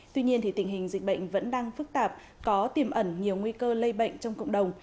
tuy nhiên tình hình dịch bệnh vẫn đang phức tạp có tiềm ẩn nhiều nguy cơ lây bệnh trong cộng đồng